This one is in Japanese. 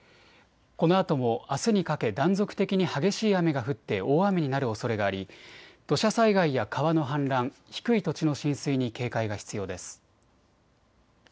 このあともあすにかけ断続的に激しい雨が降って大雨になるおそれがあり土砂災害や川の氾濫、低い土地の浸水に警戒が必要です。